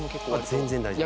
全然大丈夫です。